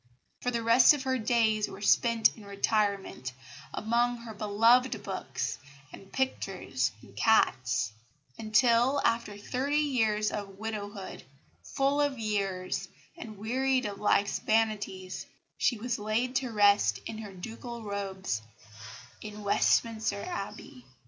For the rest her days were spent in retirement, among her beloved books and pictures and cats; until, after thirty years of widowhood, full of years and wearied of life's vanities, she was laid to rest in her ducal robes in Westminster Abbey.